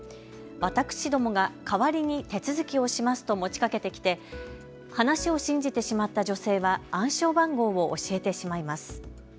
私どもが代わりに手続きをしますと持ちかけてきて話を信じてしまった女性は暗証番号を教えてしまいます。